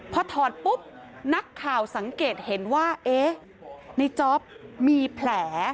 พอถอดปุ๊บนักข่าวสังเกตเห็นว่าเอ๊ะในจ๊อปมีแผล